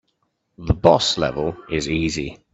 The boss level is easy.